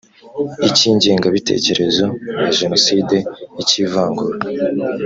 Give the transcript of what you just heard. icy ingengabitekerezo ya jenoside icy ivangura